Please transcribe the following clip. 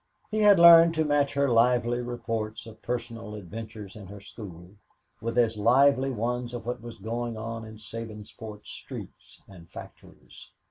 He had learned to match her lively reports of personal adventures in her school with as lively ones of what was going on in Sabinsport's streets and factories.